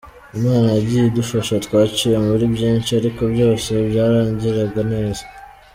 Imana yagiye idufasha, twaciye muri byinshi, ariko byose byarangiraga neza.